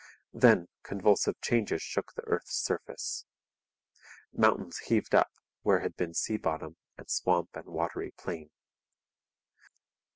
Then convulsive changes shook the earth's surface. Mountains heaved up where had been sea bottom and swamp and watery plain.